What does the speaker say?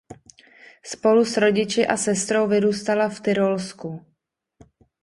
Spolu s rodiči a sestrou vyrůstala v Tyrolsku.